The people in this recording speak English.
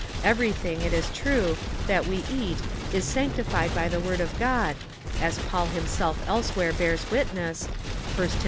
Everything, it is true, that we eat is sanctified by the word of God, as Paul himself elsewhere bears witness, (1 Tim.